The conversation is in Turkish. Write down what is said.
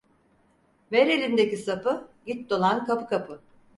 Ver elindeki sapı, git dolan kapı kapı.